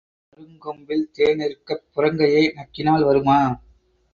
அருங்கொம்பில் தேன் இருக்கப் புறங்கையை நக்கினால் வருமா?